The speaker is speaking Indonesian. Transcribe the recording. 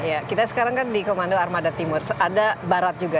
iya kita sekarang kan di komando armada timur ada barat juga